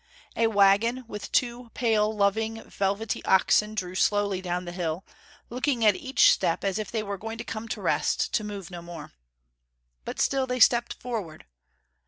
A wagon with two pale, loving, velvety oxen drew slowly down the hill, looking at each step as if they were going to come to rest, to move no more. But still they stepped forward.